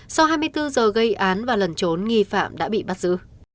sau hai mươi bốn giờ gây án và lẩn trốn nghi phạm đã bị bắt giữ